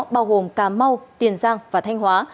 bao gồm cà mau tiền giang và thanh hóa